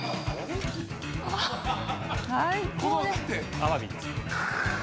アワビです。